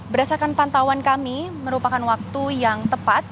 berdasarkan pantauan kami merupakan waktu yang tepat